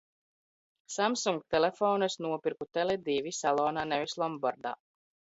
Samsung telefonu es nopirku "Tele divi" salonā nevis lombardā.